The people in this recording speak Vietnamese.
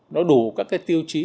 nó đủ các cái tiêu chí